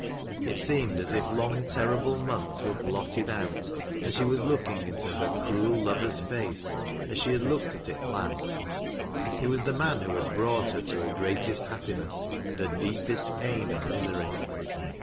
It seemed as if long, terrible months were blotted out, and she was looking into her cruel lover's face, as she had looked at it last. It was the man who had brought her to her greatest happiness and her deepest pain and misery.